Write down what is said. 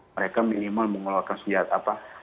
mereka minimal mengeluarkan senjata apa